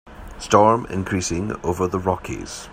Storm increasing over the Rockies.